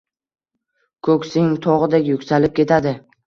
— ko‘ksing tog‘dek yuksalib ketadi.